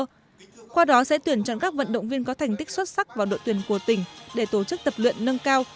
qua đó sẽ tuyển chọn các vận động viên có thành tích xuất sắc vào đội tuyển của tỉnh để tổ chức tập luyện nâng cao